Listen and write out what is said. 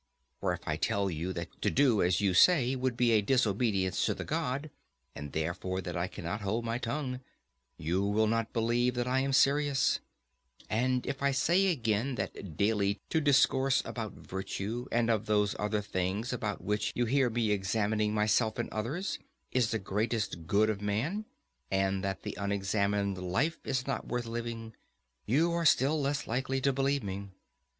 For if I tell you that to do as you say would be a disobedience to the God, and therefore that I cannot hold my tongue, you will not believe that I am serious; and if I say again that daily to discourse about virtue, and of those other things about which you hear me examining myself and others, is the greatest good of man, and that the unexamined life is not worth living, you are still less likely to believe me.